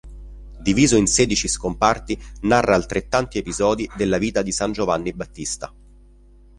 Diviso in sedici scomparti narra altrettanti episodi della vita di san Giovanni Battista.